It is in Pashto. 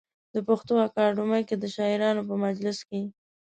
د پښتو اکاډمۍ کې د شاعرانو په مجلس کې.